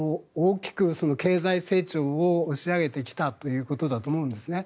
大きく経済成長を押し上げてきたということだと思うんですね。